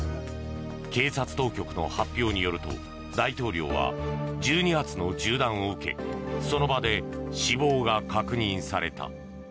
警察当局の発表によると大統領は１２発の銃弾を受けその場で死亡が確認された。